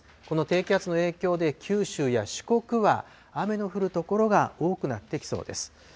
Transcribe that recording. この低気圧の影響で、九州や四国は雨の降る所が多くなってきそうです。